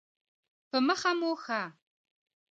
په مخه مو ښه.